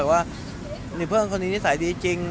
ว่ามีเพื่อนคนนี้นิสัยดีจริง